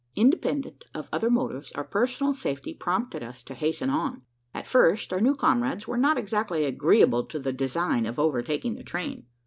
Independent of other motives, our personal safety prompted us to hasten on. At first, our new comrades were not exactly agreeable to the design of overtaking the train.